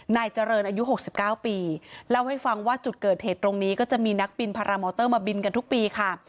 นายเจริญอายุ๖๙ปีเล่าให้ฟังว่าจุดเกิดเหตุตรงนี้ก็จะมีนักบินพารามอเตอร์มาบินกันทุกปีค่ะ